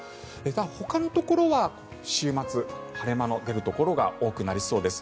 ほかのところは週末、晴れ間の出るところが多くなりそうです。